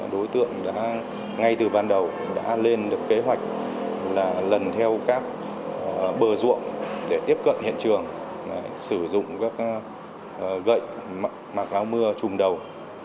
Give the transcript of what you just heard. đối tượng đã ngay từ ban đầu đã lên được kế hoạch là lần theo các bờ ruộng để tiếp cận hiện trường sử dụng các gậy mặc áo mưa trùm đầu